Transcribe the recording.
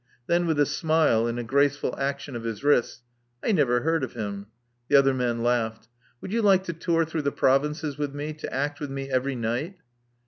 Then, with a smile, and a graceful action of his wrists, I never heard of him. The other men laughed. Would you like to tour through the provinces with me — to act with me every night?